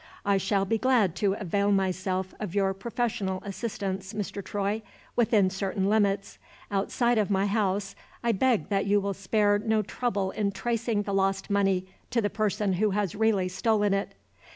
"I shall be glad to avail myself of your professional assistance, Mr. Troy, within certain limits. Outside of my house, I beg that you will spare no trouble in tracing the lost money to the person who has really stolen it.